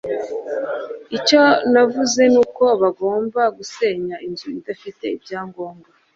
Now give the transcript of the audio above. icyo navuze nuko bagomba gusenya inzu idafite ibyangombwa